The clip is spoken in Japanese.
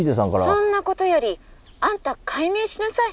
「そんなことよりあんた改名しなさい」。